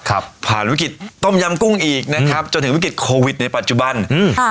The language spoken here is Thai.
ครับผ่านวิกฤตต้มยำกุ้งอีกนะครับจนถึงวิกฤตโควิดในปัจจุบันอืมค่ะ